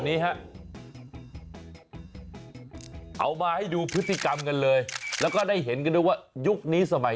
นะเจ้าโจรใจซาม